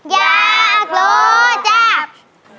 อยากรู้จ้า